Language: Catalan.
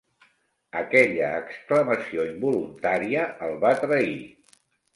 Aquella exclamació involuntària el va trair.